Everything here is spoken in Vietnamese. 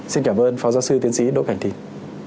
xin cảm ơn phó giáo sư tiến sĩ đỗ cảnh thìn